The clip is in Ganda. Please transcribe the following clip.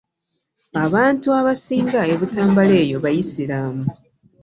Abantu abasinga e Butambala eyo bayisiraamu.